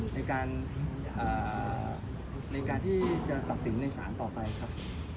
ในการที่จะตัดสินในศาลต่อไปครับ